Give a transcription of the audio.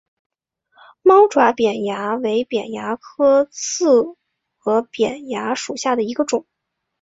猫爪扁蚜为扁蚜科刺额扁蚜属下的一个种。